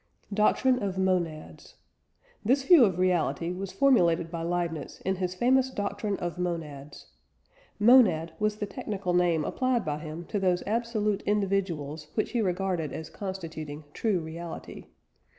DOCTRINE OF MONADS. This view of reality was formulated by Leibniz in his famous doctrine of "monads." "Monad" was the technical name applied by him to those absolute individuals which he regarded as constituting true reality.